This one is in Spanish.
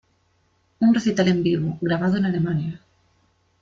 Un recital en vivo, grabado en Alemania.